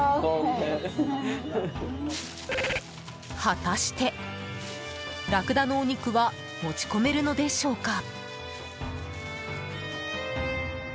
果たして、ラクダのお肉は持ち込めるのでしょうか？